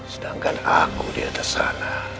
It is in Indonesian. sedangkan aku di atas sana